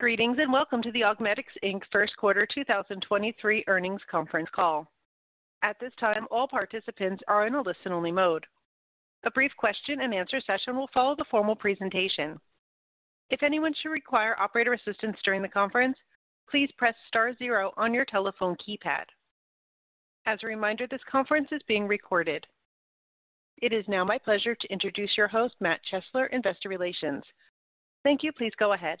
Greetings, welcome to the Augmedix Inc. first quarter 2023 earnings conference call. At this time, all participants are in a listen-only mode. A brief question and answer session will follow the formal presentation. If anyone should require operator assistance during the conference, please press star zero on your telephone keypad. As a reminder, this conference is being recorded. It is now my pleasure to introduce your host, Matt Chesler, Investor Relations. Thank you. Please go ahead.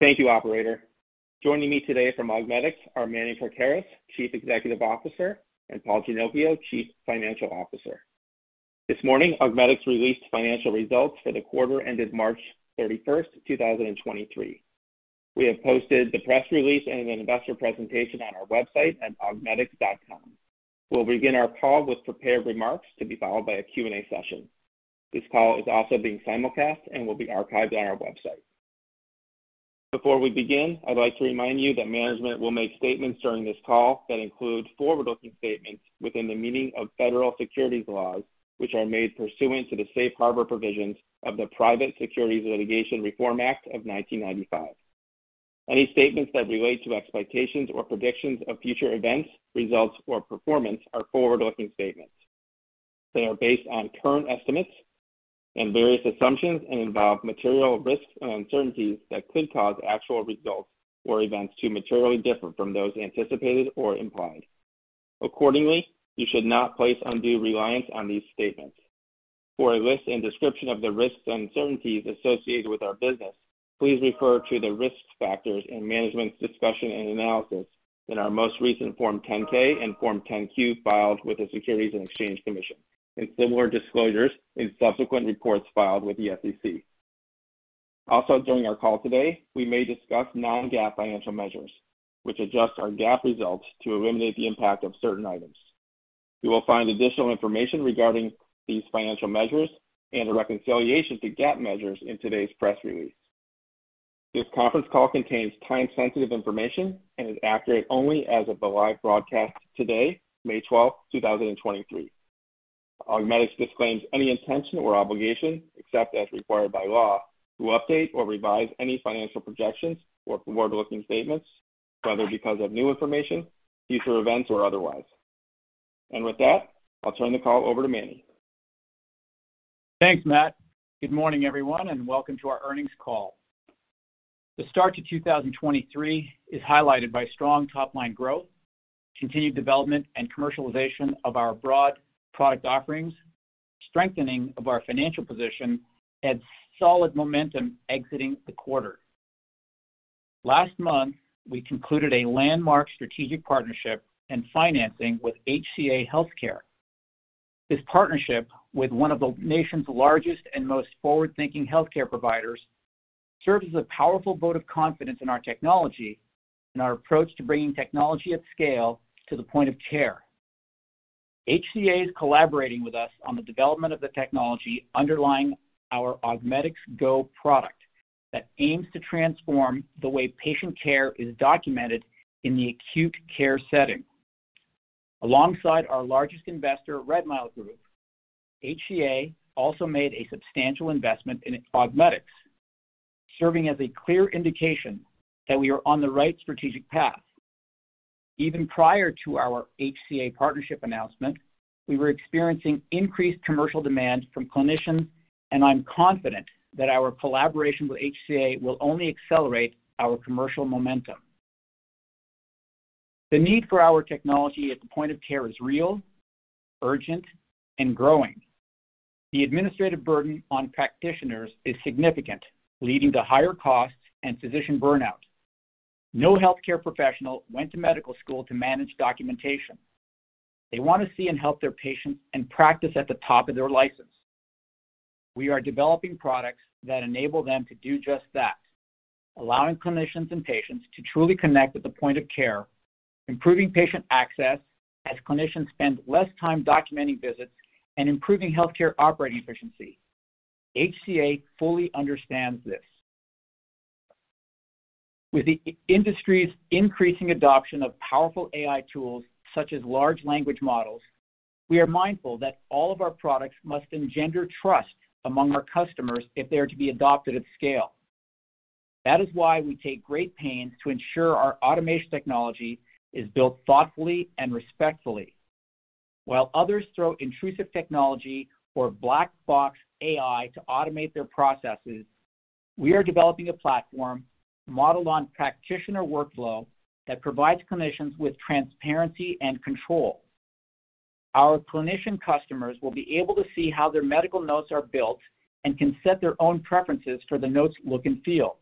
Thank you, operator. Joining me today from Augmedix are Manny Krakaris, Chief Executive Officer, and Paul Ginocchio, Chief Financial Officer. This morning, Augmedix released financial results for the quarter ended March 31st, 2023. We have posted the press release and an investor presentation on our website at augmedix.com. We'll begin our call with prepared remarks to be followed by a Q&A session. This call is also being simulcast and will be archived on our website. Before we begin, I'd like to remind you that management will make statements during this call that include forward-looking statements within the meaning of federal securities laws, which are made pursuant to the Safe Harbor provisions of the Private Securities Litigation Reform Act of 1995. Any statements that relate to expectations or predictions of future events, results, or performance are forward-looking statements. They are based on current estimates and various assumptions and involve material risks and uncertainties that could cause actual results or events to materially differ from those anticipated or implied. Accordingly, you should not place undue reliance on these statements. For a list and description of the risks and uncertainties associated with our business, please refer to the risk factors in management's discussion and analysis in our most recent Form 10-K and Form 10-Q filed with the Securities and Exchange Commission, and similar disclosures in subsequent reports filed with the SEC. During our call today, we may discuss non-GAAP financial measures, which adjust our GAAP results to eliminate the impact of certain items. You will find additional information regarding these financial measures and the reconciliation to GAAP measures in today's press release. This conference call contains time-sensitive information and is accurate only as of the live broadcast today, May 12th, 2023. Augmedix disclaims any intention or obligation, except as required by law, to update or revise any financial projections or forward-looking statements, whether because of new information, future events, or otherwise. With that, I'll turn the call over to Manny. Thanks, Matt. Good morning, everyone, welcome to our earnings call. The start to 2023 is highlighted by strong top-line growth, continued development and commercialization of our broad product offerings, strengthening of our financial position, and solid momentum exiting the quarter. Last month, we concluded a landmark strategic partnership and financing with HCA Healthcare. This partnership with one of the nation's largest and most forward-thinking healthcare providers serves as a powerful vote of confidence in our technology and our approach to bringing technology at scale to the point of care. HCA is collaborating with us on the development of the technology underlying our Augmedix Go product that aims to transform the way patient care is documented in the acute care setting Alongside our largest investor, Redmile Group, HCA also made a substantial investment in its Augmedix, serving as a clear indication that we are on the right strategic path. Even prior to our HCA partnership announcement, we were experiencing increased commercial demand from clinicians. I'm confident that our collaboration with HCA will only accelerate our commercial momentum. The need for our technology at the point of care is real, urgent, and growing. The administrative burden on practitioners is significant, leading to higher costs and physician burnout. No healthcare professional went to medical school to manage documentation. They want to see and help their patients and practice at the top of their license. We are developing products that enable them to do just that, allowing clinicians and patients to truly connect at the point of care, improving patient access as clinicians spend less time documenting visits and improving healthcare operating efficiency. HCA fully understands this. With the industry's increasing adoption of powerful AI tools such as large language models, we are mindful that all of our products must engender trust among our customers if they are to be adopted at scale. That is why we take great pains to ensure our automation technology is built thoughtfully and respectfully. While others throw intrusive technology or black box AI to automate their processes, we are developing a platform modeled on practitioner workflow that provides clinicians with transparency and control. Our clinician customers will be able to see how their medical notes are built and can set their own preferences for the notes look and feel.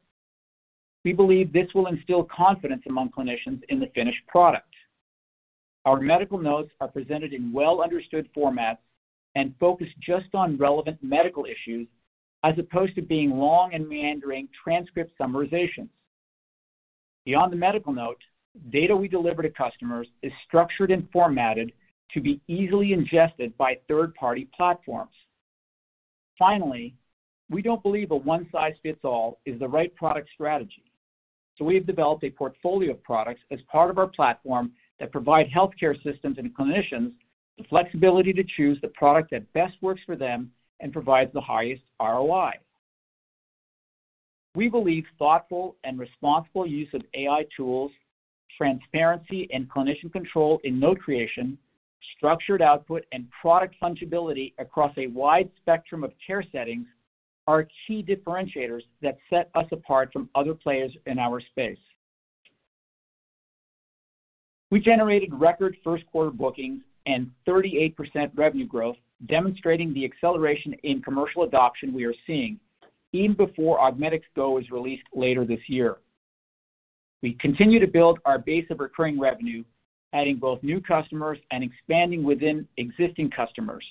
We believe this will instill confidence among clinicians in the finished product. Our medical notes are presented in well-understood formats and focus just on relevant medical issues as opposed to being long and meandering transcript summarizations. Beyond the medical note, data we deliver to customers is structured and formatted to be easily ingested by third-party platforms. We don't believe a one-size-fits-all is the right product strategy. So we have developed a portfolio of products as part of our platform that provide healthcare systems and clinicians the flexibility to choose the product that best works for them and provides the highest ROI. We believe thoughtful and responsible use of AI tools, transparency and clinician control in note creation, structured output and product fungibility across a wide spectrum of care settings are key differentiators that set us apart from other players in our space. We generated record first quarter bookings and 38% revenue growth, demonstrating the acceleration in commercial adoption we are seeing even before Augmedix Go is released later this year. We continue to build our base of recurring revenue, adding both new customers and expanding within existing customers.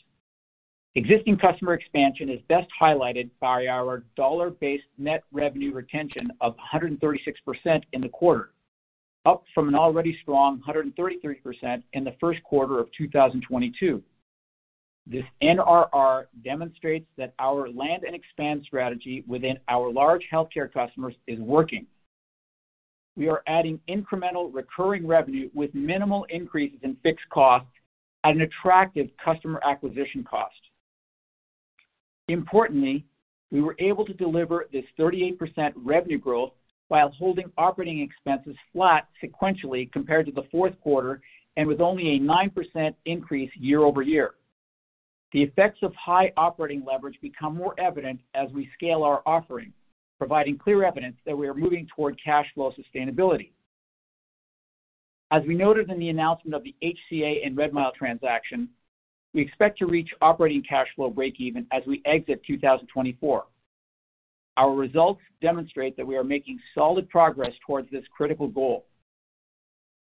Existing customer expansion is best highlighted by our dollar-based net revenue retention of 136% in the quarter, up from an already strong 133% in the first quarter of 2022. This NRR demonstrates that our land and expand strategy within our large healthcare customers is working. We are adding incremental recurring revenue with minimal increases in fixed costs at an attractive customer acquisition cost. Importantly, we were able to deliver this 38% revenue growth while holding operating expenses flat sequentially compared to the fourth quarter, and with only a 9% increase year-over-year. The effects of high operating leverage become more evident as we scale our offering, providing clear evidence that we are moving toward cash flow sustainability. As we noted in the announcement of the HCA and Redmile transaction, we expect to reach operating cash flow breakeven as we exit 2024. Our results demonstrate that we are making solid progress towards this critical goal.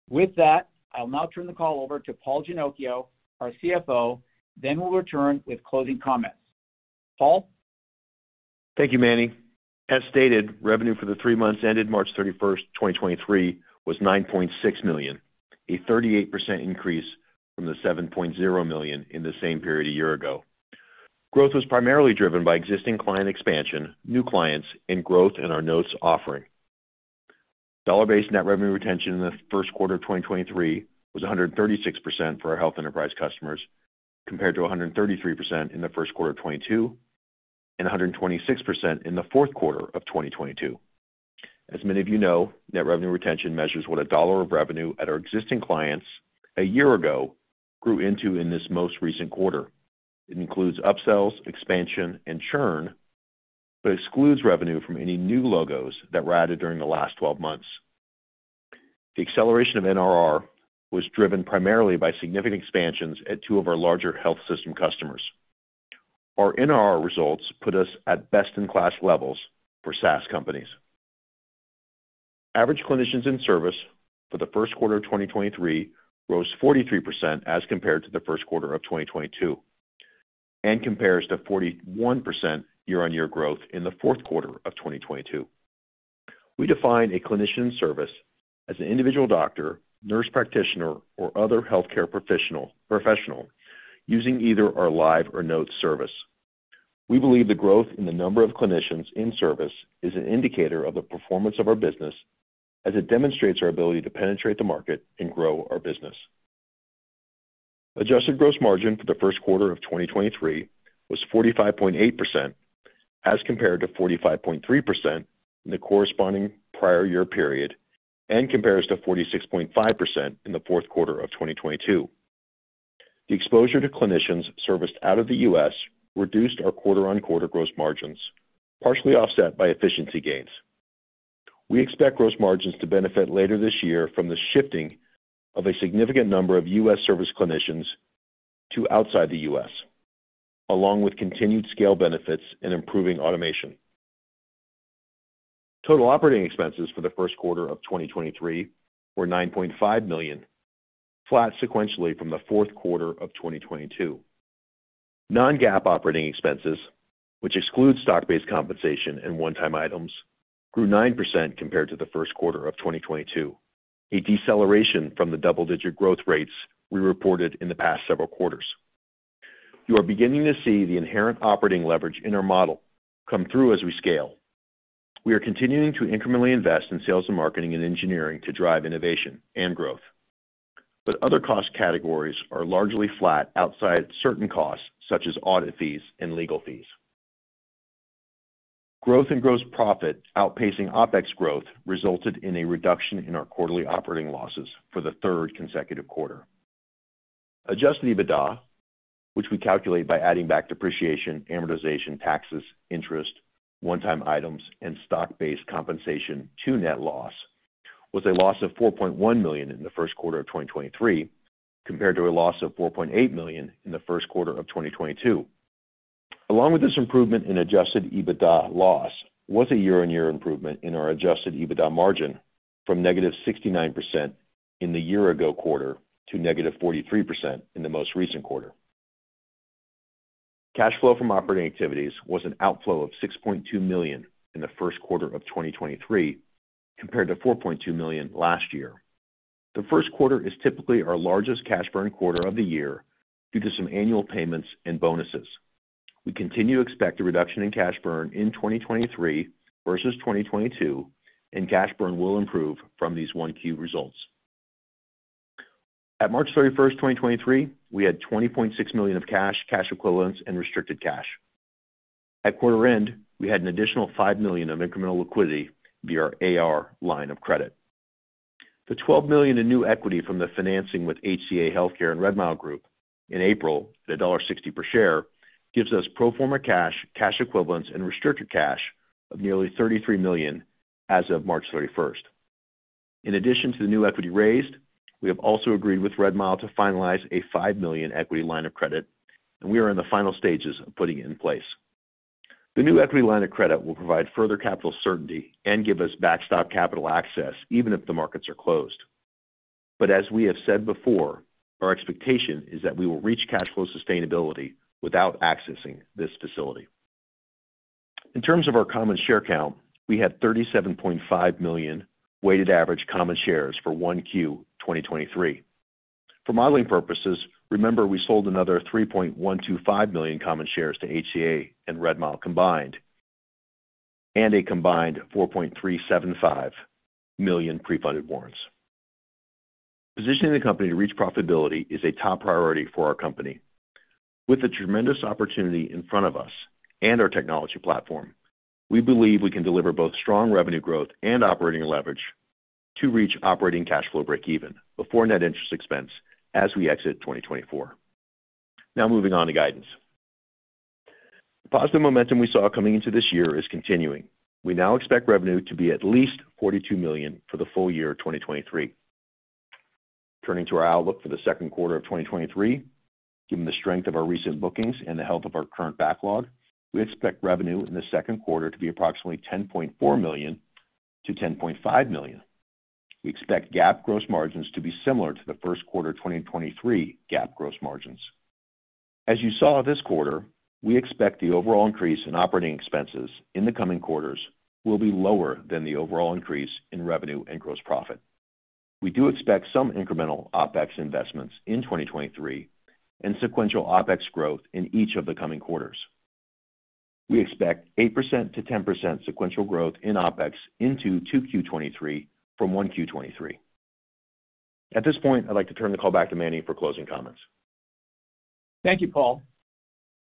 With that, I'll now turn the call over to Paul Ginocchio, our CFO. We'll return with closing comments. Paul? Thank you, Manny. As stated, revenue for the three months ended March 31, 2023 was $9.6 million, a 38% increase from the $7.0 million in the same period a year ago. Growth was primarily driven by existing client expansion, new clients and growth in our Notes offering. Dollar-based Net Revenue Retention in the first quarter of 2023 was 136% for our health enterprise customers, compared to 133% in the first quarter of 2022, and 126% in the fourth quarter of 2022. As many of you know, net revenue retention measures what $1 of revenue at our existing clients a year-ago grew into in this most recent quarter. It includes upsells, expansion, and churn, but excludes revenue from any new logos that were added during the last 12 months. The acceleration of NRR was driven primarily by significant expansions at two of our larger health system customers. Our NRR results put us at best-in-class levels for SaaS companies. Average clinicians in service for the first quarter of 2023 rose 43% as compared to the first quarter of 2022 and compares to 41% year-on-year growth in the fourth quarter of 2022. We define a clinician service as an individual doctor, nurse practitioner or other healthcare professional using either our live or note service. We believe the growth in the number of clinicians in service is an indicator of the performance of our business as it demonstrates our ability to penetrate the market and grow our business. Adjusted gross margin for the first quarter of 2023 was 45.8% as compared to 45.3% in the corresponding prior year period and compares to 46.5% in the fourth quarter of 2022. The exposure to clinicians serviced out of the U.S. reduced our quarter-on-quarter gross margins, partially offset by efficiency gains. We expect gross margins to benefit later this year from the shifting of a significant number of U.S. service clinicians to outside the U.S., along with continued scale benefits and improving automation. Total operating expenses for the first quarter of 2023 were $9.5 million, flat sequentially from the fourth quarter of 2022. Non-GAAP operating expenses, which excludes stock-based compensation and one-time items, grew 9% compared to the first quarter of 2022. A deceleration from the double-digit growth rates we reported in the past several quarters. You are beginning to see the inherent operating leverage in our model come through as we scale. We are continuing to incrementally invest in sales and marketing and engineering to drive innovation and growth. Other cost categories are largely flat outside certain costs such as audit fees and legal fees. Growth in gross profit outpacing OpEx growth resulted in a reduction in our quarterly operating losses for the third consecutive quarter. Adjusted EBITDA, which we calculate by adding back depreciation, amortization, taxes, interest, one-time items, and stock-based compensation to net loss, was a loss of $4.1 million in the first quarter of 2023, compared to a loss of $4.8 million in the first quarter of 2022. Along with this improvement in Adjusted EBITDA loss was a year-over-year improvement in our Adjusted EBITDA margin from -69% in the year ago quarter to -43% in the most recent quarter. Cash flow from operating activities was an outflow of $6.2 million in the first quarter of 2023, compared to $4.2 million last year. The first quarter is typically our largest cash burn quarter of the year due to some annual payments and bonuses. We continue to expect a reduction in cash burn in 2023 versus 2022. Cash burn will improve from these 1Q results. At March 31st, 2023, we had $20.6 million of cash equivalents, and restricted cash. At quarter end, we had an additional $5 million of incremental liquidity via our AR line of credit. The $12 million in new equity from the financing with HCA Healthcare and Redmile Group in April at $1.60 per share gives us pro forma cash equivalents, and restricted cash of nearly $33 million as of March 31st. In addition to the new equity raised, we have also agreed with Redmile to finalize a $5 million equity line of credit, and we are in the final stages of putting it in place. The new equity line of credit will provide further capital certainty and give us backstop capital access even if the markets are closed. As we have said before, our expectation is that we will reach cash flow sustainability without accessing this facility. In terms of our common share count, we had 37.5 million weighted average common shares for 1Q 2023. For modeling purposes, remember, we sold another 3.125 million common shares to HCA and Redmile combined, and a combined 4.375 million pre-funded warrants. Positioning the company to reach profitability is a top priority for our company. With the tremendous opportunity in front of us and our technology platform, we believe we can deliver both strong revenue growth and operating leverage to reach operating cash flow breakeven before net interest expense as we exit 2024. Moving on to guidance. The positive momentum we saw coming into this year is continuing. We now expect revenue to be at least $42 million for the full year of 2023. Turning to our outlook for the second quarter of 2023, given the strength of our recent bookings and the health of our current backlog, we expect revenue in the second quarter to be approximately $10.4 million-$10.5 million. We expect GAAP gross margins to be similar to the first quarter of 2023 GAAP gross margins. As you saw this quarter, we expect the overall increase in operating expenses in the coming quarters will be lower than the overall increase in revenue and gross profit. We do expect some incremental OpEx investments in 2023 and sequential OpEx growth in each of the coming quarters. We expect 8%-10% sequential growth in OpEx into 2Q 2023 from 1Q 2023. At this point, I'd like to turn the call back to Manny for closing comments. Thank you, Paul.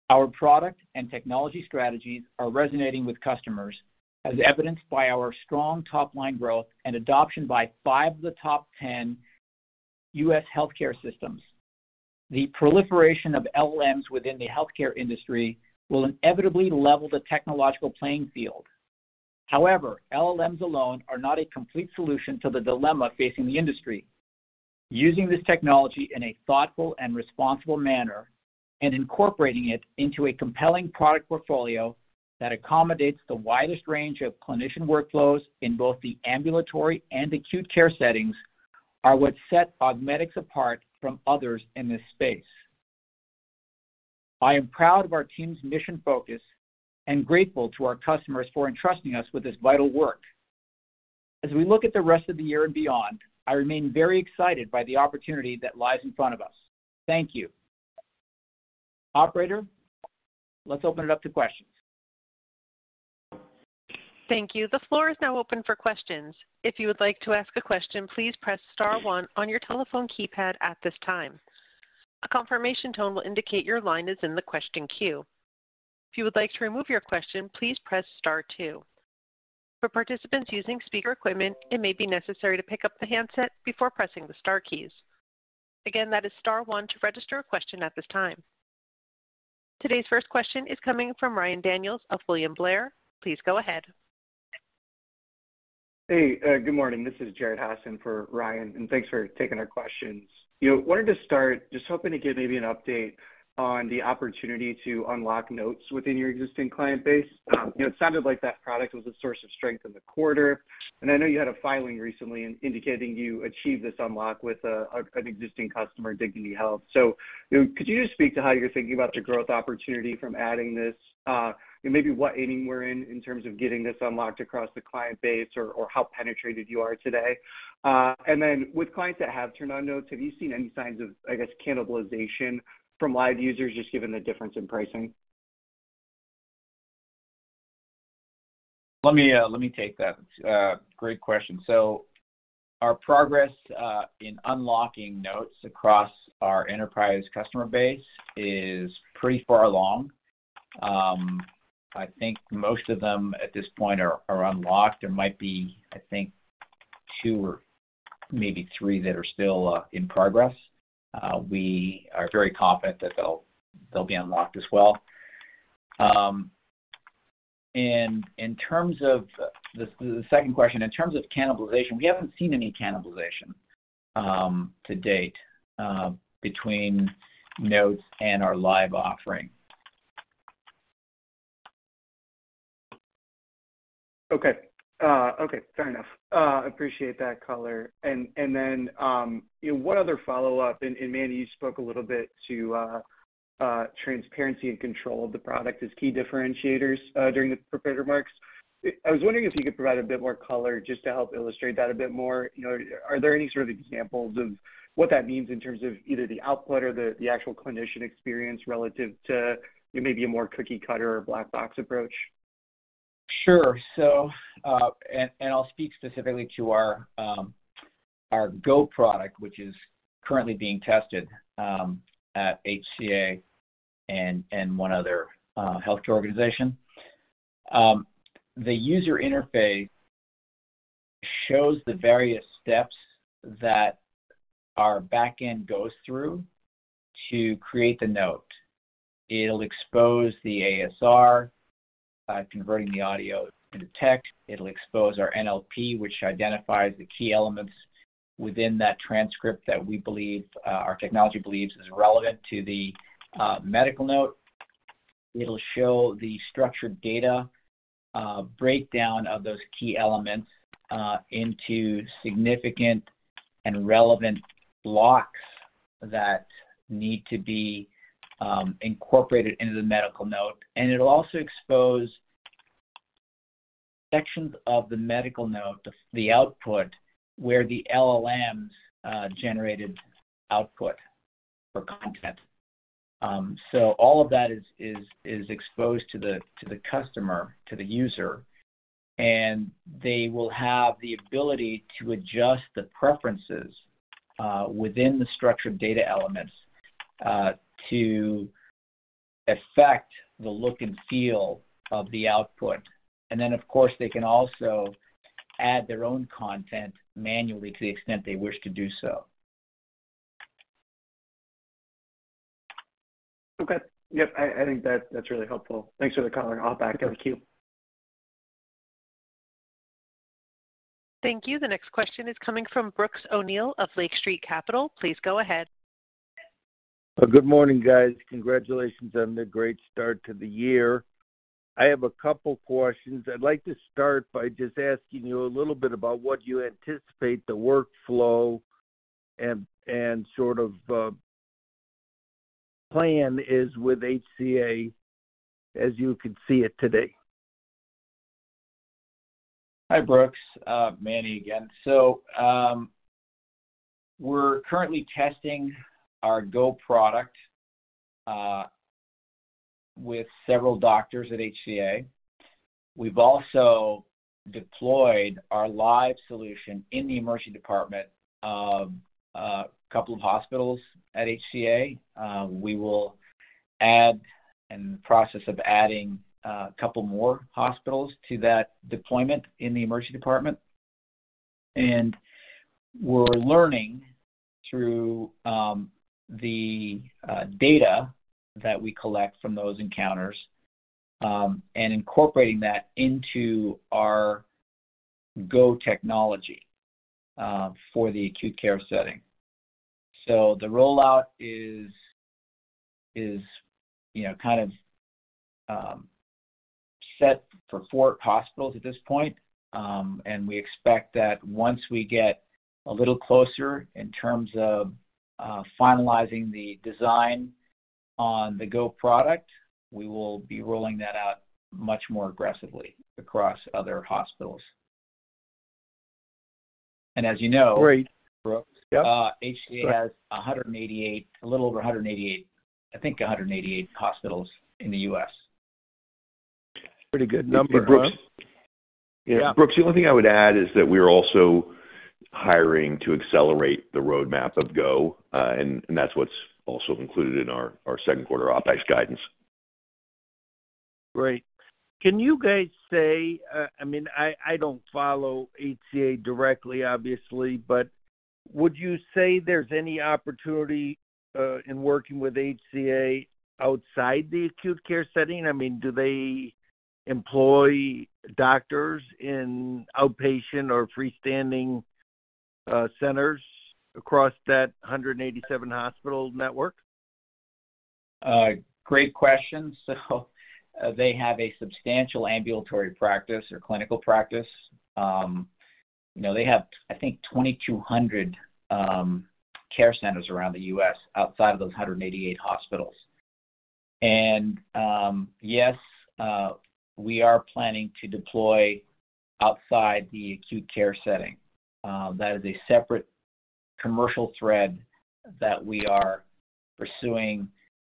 Our product and technology strategies are resonating with customers, as evidenced by our strong top-line growth and adoption by five of the top 10 U.S. healthcare systems. The proliferation of LLMs within the healthcare industry will inevitably level the technological playing field. However, LLMs alone are not a complete solution to the dilemma facing the industry. Using this technology in a thoughtful and responsible manner and incorporating it into a compelling product portfolio that accommodates the widest range of clinician workflows in both the ambulatory and acute care settings are what set Augmedix apart from others in this space. I am proud of our team's mission focus and grateful to our customers for entrusting us with this vital work. As we look at the rest of the year and beyond, I remain very excited by the opportunity that lies in front of us. Thank you. Operator, let's open it up to questions. Thank you. The floor is now open for questions. If you would like to ask a question, please press star one on your telephone keypad at this time. A confirmation tone will indicate your line is in the question queue. If you would like to remove your question, please press star two. For participants using speaker equipment, it may be necessary to pick up the handset before pressing the star keys. Again, that is star one to register a question at this time. Today's first question is coming from Ryan Daniels of William Blair. Please go ahead. Hey, good morning. This is Jared Hauss for Ryan Daniels. Thanks for taking our questions. You know, wanted to start just hoping to get maybe an update on the opportunity to unlock Notes within your existing client base. You know, it sounded like that product was a source of strength in the quarter. I know you had a filing recently indicating you achieved this unlock with an existing customer, Dignity Health. You know, could you just speak to how you're thinking about the growth opportunity from adding this? Maybe what inning we're in in terms of getting this unlocked across the client base or how penetrated you are today? Then with clients that have turned on Notes, have you seen any signs of, I guess, cannibalization from live users just given the difference in pricing? Let me take that. Great question. Our progress in unlocking Augmedix Notes across our enterprise customer base is pretty far along. I think most of them at this point are unlocked. There might be, I think, two or maybe three that are still in progress. We are very confident that they'll be unlocked as well. In terms of the second question, in terms of cannibalization, we haven't seen any cannibalization to date between Augmedix Notes and our live offering. Okay. Okay, fair enough. Appreciate that color. Then, one other follow-up, Manny, you spoke a little bit to transparency and control of the product as key differentiators during the prepared remarks. I was wondering if you could provide a bit more color just to help illustrate that a bit more. You know, are there any sort of examples of what that means in terms of either the output or the actual clinician experience relative to maybe a more cookie-cutter or black box approach? Sure. I'll speak specifically to our Go product, which is currently being tested at HCA and one other healthcare organization. The user interface shows the various steps that our back-end goes through to create the note. It'll expose the ASR, converting the audio into text. It'll expose our NLP, which identifies the key elements within that transcript that we believe our technology believes is relevant to the medical note. It'll show the structured data breakdown of those key elements into significant and relevant blocks that need to be incorporated into the medical note. It'll also expose sections of the medical note, the output where the LLMs generated output or content. All of that is exposed to the, to the customer, to the user, and they will have the ability to adjust the preferences, within the structured data elements, to affect the look and feel of the output. Of course, they can also add their own content manually to the extent they wish to do so. Okay. Yep. I think that's really helpful. Thanks for the color. Yeah. I'll back out of the queue. Thank you. The next question is coming from Brooks O'Neill of Lake Street Capital. Please go ahead. Good morning, guys. Congratulations on the great start to the year. I have a couple questions. I'd like to start by just asking you a little bit about what you anticipate the workflow and sort of plan is with HCA as you can see it today. Hi, Brooks. Manny again. We're currently testing our Go product with several doctors at HCA. We've also deployed our live solution in the emergency department of couple hospitals at HCA. We will add and in the process of adding couple more hospitals to that deployment in the emergency department. We're learning through the data that we collect from those encounters and incorporating that into our Go technology for the acute care setting. The rollout is, you know, kind of, set for four hospitals at this point. We expect that once we get a little closer in terms of finalizing the design on the Go product, we will be rolling that out much more aggressively across other hospitals. As you know... Great. -Brooks- Yeah. HCA has 188, a little over 188, I think 188 hospitals in the U.S. Pretty good number, huh? Brooks? Yeah. Brooks, the only thing I would add is that we are also hiring to accelerate the roadmap of Go, and that's what's also included in our second quarter OpEx guidance. Great. Can you guys say, I mean, I don't follow HCA directly, obviously, but would you say there's any opportunity, in working with HCA outside the acute care setting? I mean, do they employ doctors in outpatient or freestanding, centers across that 187 hospital network? Great question. They have a substantial ambulatory practice or clinical practice. You know, they have, I think, 2,200 care centers around the U.S. outside of those 188 hospitals. Yes, we are planning to deploy outside the acute care setting. That is a separate commercial thread that we are pursuing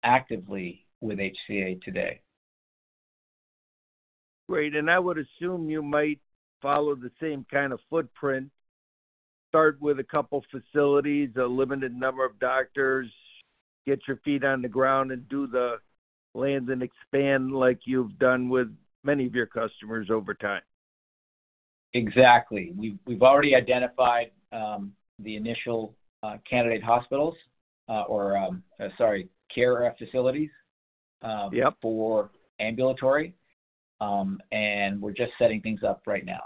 actively with HCA today. Great. I would assume you might follow the same kind of footprint, start with a couple of facilities, a limited number of doctors, get your feet on the ground and do the land and expand like you've done with many of your customers over time. Exactly. We've already identified the initial candidate hospitals or, sorry, care facilities. Yep For ambulatory, we're just setting things up right now.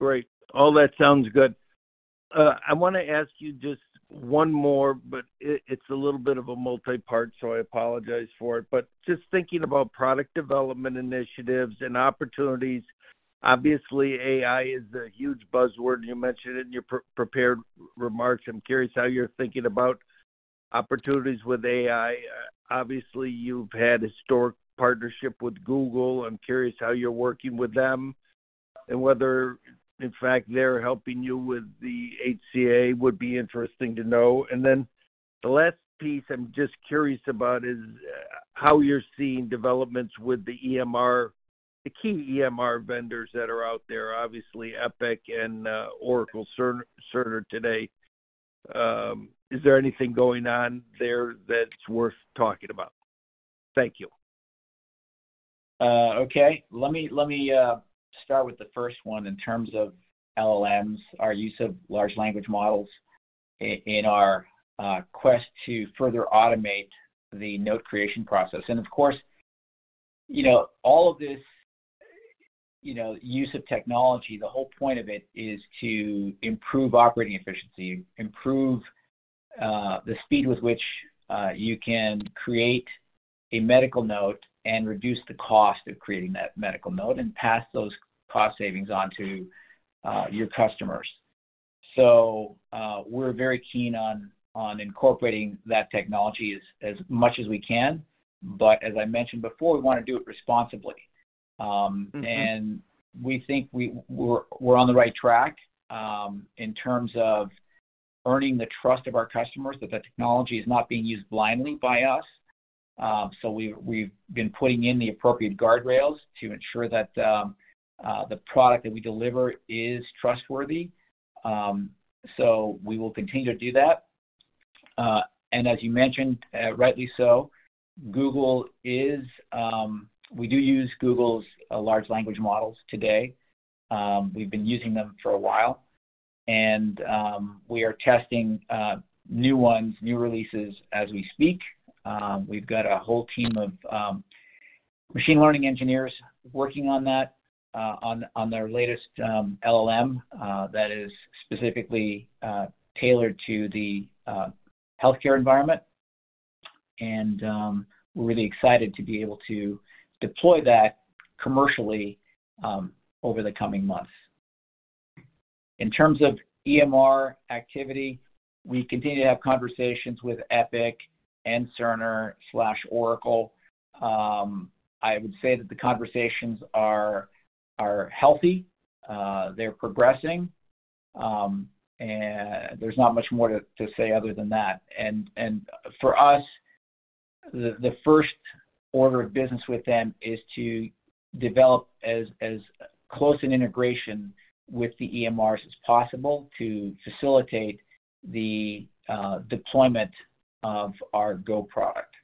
Great. All that sounds good. I wanna ask you just one more, but it's a little bit of a multipart, so I apologize for it. Just thinking about product development initiatives and opportunities, obviously, AI is a huge buzzword you mentioned in your prepared remarks. I'm curious how you're thinking about Opportunities with AI. Obviously, you've had historic partnership with Google. I'm curious how you're working with them and whether, in fact, they're helping you with the HCA would be interesting to know. The last piece I'm just curious about is how you're seeing developments with the EMR, the key EMR vendors that are out there, obviously Epic and Oracle Cerner today. Is there anything going on there that's worth talking about? Thank you. Okay. Let me start with the first one in terms of LLMs, our use of large language models in our quest to further automate the note creation process. Of course, you know, all of this, you know, use of technology, the whole point of it is to improve operating efficiency, improve the speed with which you can create a medical note and reduce the cost of creating that medical note and pass those cost savings on to your customers. We're very keen on incorporating that technology as much as we can. As I mentioned before, we want to do it responsibly. Mm-hmm We think we're on the right track in terms of earning the trust of our customers that the technology is not being used blindly by us. We've been putting in the appropriate guardrails to ensure that the product that we deliver is trustworthy. We will continue to do that. As you mentioned, rightly so, Google is. We do use Google's large language models today. We've been using them for a while, we are testing new ones, new releases as we speak. We've got a whole team of machine learning engineers working on that on their latest LLM that is specifically tailored to the healthcare environment. We're really excited to be able to deploy that commercially over the coming months. In terms of EMR activity, we continue to have conversations with Epic and Cerner/Oracle. I would say that the conversations are healthy, they're progressing, and there's not much more to say other than that. For us, the first order of business with them is to develop as close an integration with the EMRs as possible to facilitate the deployment of our Go product.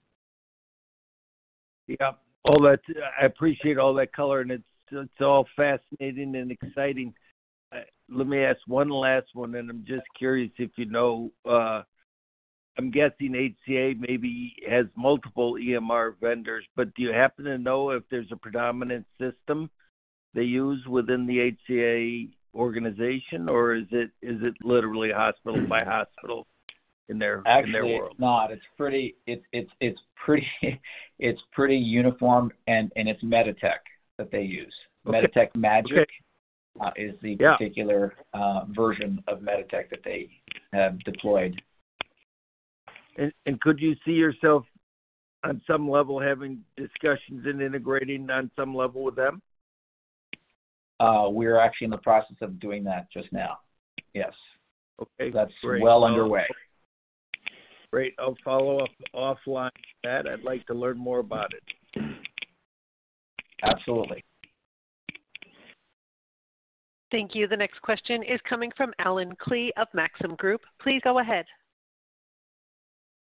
I appreciate all that color, and it's all fascinating and exciting. Let me ask one last one, and I'm just curious if you know, I'm guessing HCA maybe has multiple EMR vendors, but do you happen to know if there's a predominant system they use within the HCA organization, or is it literally hospital by hospital in their, in their world? Actually, it's not. It's pretty uniform, and it's MEDITECH that they use. Okay. MEDITECH Magic. Yeah... is the particular version of MEDITECH that they have deployed. Could you see yourself on some level having discussions and integrating on some level with them? We're actually in the process of doing that just now. Yes. Okay. Great. That's well underway. Great. I'll follow up offline with that. I'd like to learn more about it. Absolutely. Thank you. The next question is coming from Allen Klee of Maxim Group. Please go ahead.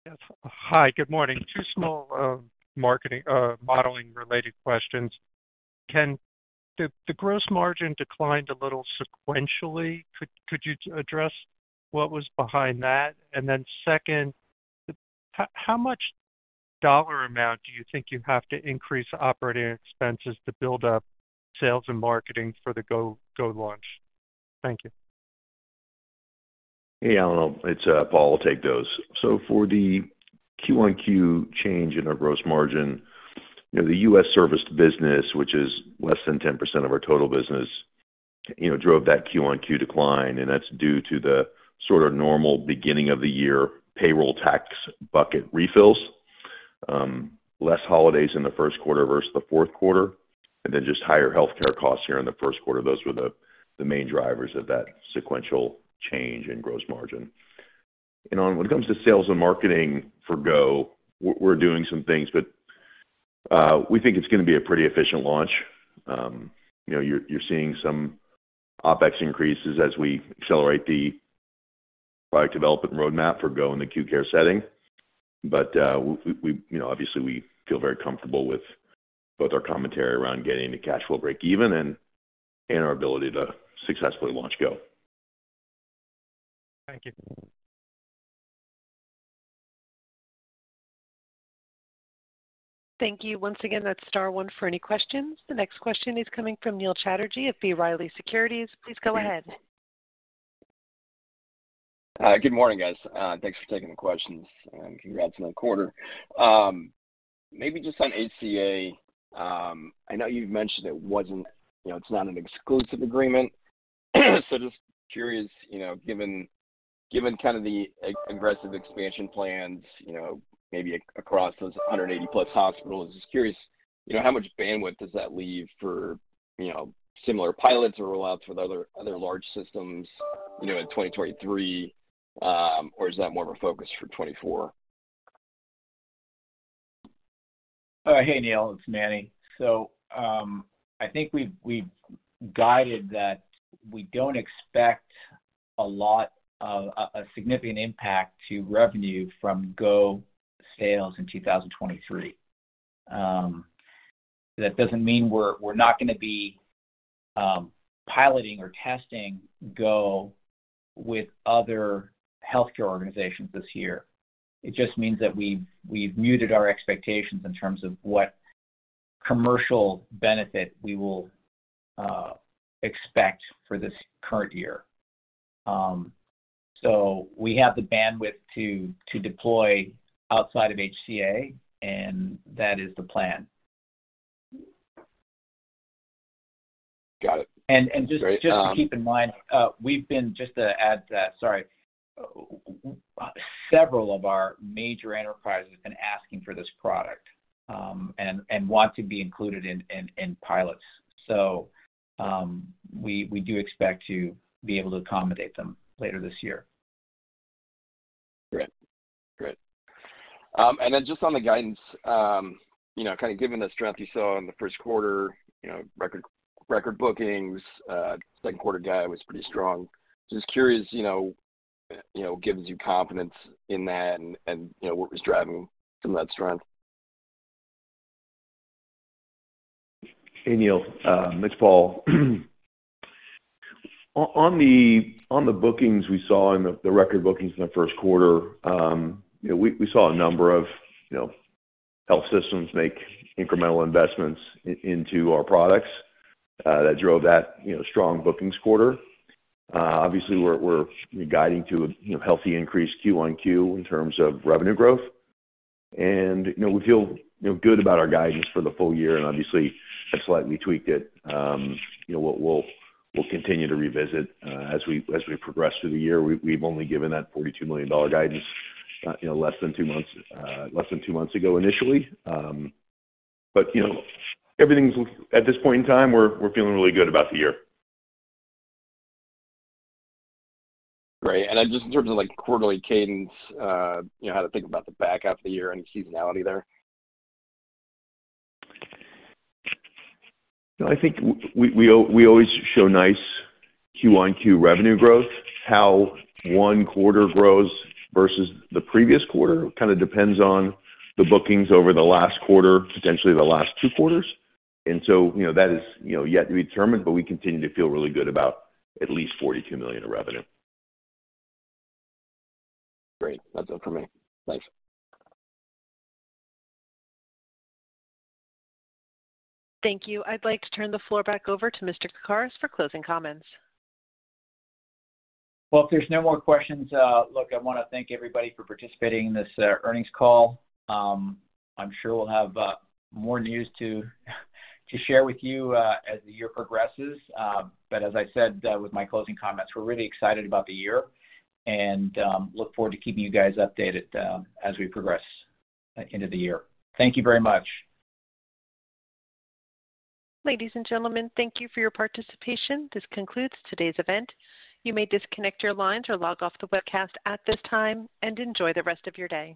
Yes. Hi. Good morning. two small modeling-related questions. The gross margin declined a little sequentially. Could you address what was behind that? Second, how much dollar amount do you think you have to increase operating expenses to build up sales and marketing for the Go launch? Thank you. Hey, Allen, it's Paul Ginocchio. I'll take those. For the Q-on-Q change in our gross margin, you know, the U.S. service business, which is less than 10% of our total business, you know, drove that Q-on-Q decline, and that's due to the sort of normal beginning of the year payroll tax bucket refills, less holidays in the first quarter versus the fourth quarter, and then just higher healthcare costs here in the first quarter. Those were the main drivers of that sequential change in gross margin. You know, when it comes to sales and marketing for Augmedix Go, we're doing some things, but we think it's gonna be a pretty efficient launch. You know, you're seeing some OpEx increases as we accelerate the product development roadmap for Augmedix Go in the acute care setting. We, you know, obviously, we feel very comfortable with both our commentary around getting to cash flow break even and our ability to successfully launch Go. Thank you. Thank you. Once again, that's star one for any questions. The next question is coming from Neil Chatterjee of B. Riley Securities. Please go ahead. Hi. Good morning, guys. Thanks for taking the questions, and congrats on the quarter. Maybe just on HCA. I know you've mentioned it wasn't, you know, it's not an exclusive agreement. Just curious, you know, given kind of the aggressive expansion plans, you know, across those 180+ hospitals. Just curious, you know, how much bandwidth does that leave for, you know, similar pilots or rollouts with other large systems, you know, in 2023? Is that more of a focus for 2024? Hey, Neil, it's Manny. I think we've guided that we don't expect a significant impact to revenue from Go sales in 2023. That doesn't mean we're not gonna be piloting or testing Go with other healthcare organizations this year. It just means that we've muted our expectations in terms of what commercial benefit we will expect for this current year. We have the bandwidth to deploy outside of HCA, and that is the plan. Got it. And, and just- Great, Just to keep in mind, we've been, just to add to that. Sorry. Several of our major enterprises have been asking for this product, and want to be included in pilots. We do expect to be able to accommodate them later this year. Great. Just on the guidance, you know, kind of given the strength you saw in the first quarter, you know, record bookings, second quarter guide was pretty strong. Just curious, you know, gives you confidence in that and, you know, what was driving some of that strength? Hey, Neil, it's Paul. On the bookings we saw and the record bookings in the first quarter, you know, we saw a number of, you know, health systems make incremental investments into our products that drove that, you know, strong bookings quarter. Obviously we're guiding to a, you know, healthy increase Q-on-Q in terms of revenue growth. You know, we feel, you know, good about our guidance for the full year and obviously have slightly tweaked it. You know, we'll continue to revisit as we progress through the year. We've only given that $42 million guidance, you know, less than two months, less than two months ago initially. You know, everything's At this point in time, we're feeling really good about the year. Great. Then just in terms of, like, quarterly cadence, you know, how to think about the back half of the year, any seasonality there? I think we always show nice Q-on-Q revenue growth. How one quarter grows versus the previous quarter kind of depends on the bookings over the last quarter, potentially the last two quarters. You know, that is, you know, yet to be determined, but we continue to feel really good about at least $42 million in revenue. Great. That's all for me. Thanks. Thank you. I'd like to turn the floor back over to Mr. Krakaris for closing comments. Well, if there's no more questions, look, I wanna thank everybody for participating in this earnings call. I'm sure we'll have more news to share with you as the year progresses. As I said, with my closing comments, we're really excited about the year and look forward to keeping you guys updated as we progress at end of the year. Thank you very much. Ladies and gentlemen, thank you for your participation. This concludes today's event. You may disconnect your lines or log off the webcast at this time, and enjoy the rest of your day.